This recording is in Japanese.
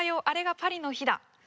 あれがパリの灯だ」。